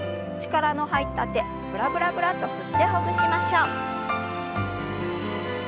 力の入った手ブラブラブラッと振ってほぐしましょう。